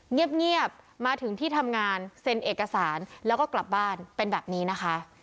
เงียบมาถึงที่ทำงานเซ็นเอกสารแล้วก็กลับบ้านเป็นแบบนี้นะคะ